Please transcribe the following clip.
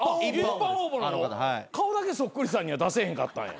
⁉顔だけそっくりさんには出せへんかったんや？